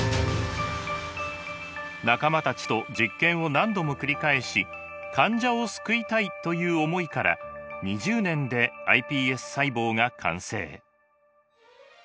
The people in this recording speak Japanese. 仲間たちと実験を何度も繰り返し患者を救いたいという思いから２０年でｉＰＳ細胞が完成。